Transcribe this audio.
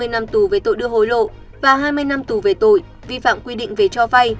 hai mươi năm tù về tội đưa hối lộ và hai mươi năm tù về tội vi phạm quy định về cho vay